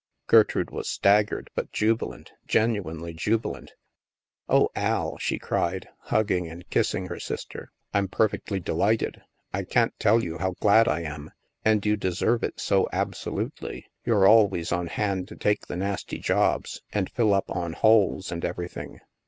Gertrude was staggered but jubilant — genuinely jubilant. Oh, Al," she cried, hugging and kissing her sister, " I'm perfectly delighted. I can't tell you how glad I am. And you deserve it so absolutely. You're always on hand to take the nasty jobs, and fill up on holes, and everything.